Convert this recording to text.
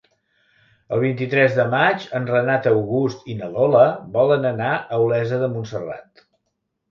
El vint-i-tres de maig en Renat August i na Lola volen anar a Olesa de Montserrat.